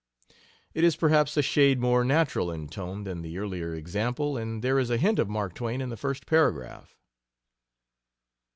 It is perhaps a shade more natural in tone than the earlier example, and there is a hint of Mark Twain in the first paragraph.